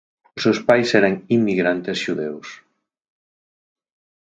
Os seus pais eran inmigrantes xudeus.